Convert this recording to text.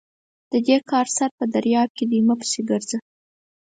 د دې کار سر په درياب کې دی؛ مه پسې ګرځه!